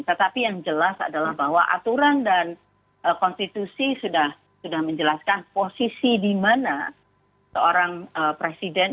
tetapi yang jelas adalah bahwa aturan dan konstitusi sudah menjelaskan posisi di mana seorang presiden